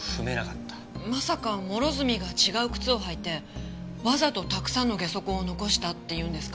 まさか諸角が違う靴を履いてわざとたくさんのゲソ痕を残したって言うんですか？